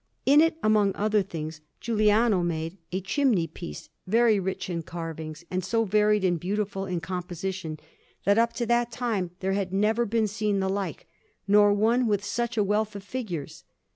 In it, among other things, Giuliano made a chimney piece, very rich in carvings, and so varied and beautiful in composition, that up to that time there had never been seen the like, nor one with such a wealth of figures.